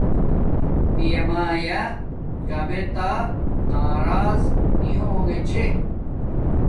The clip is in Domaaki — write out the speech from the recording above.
پیا مایا کابتا نارض نی ہونگے چھے